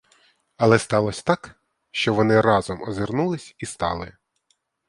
Але сталося так, що вони разом озирнулись і стали.